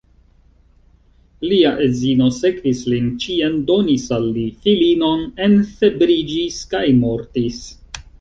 Lia edzino sekvis lin ĉien, donis al li filinon, enfebriĝis, kaj mortis.